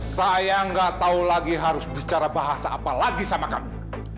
saya nggak tahu lagi harus bicara bahasa apa lagi sama kamu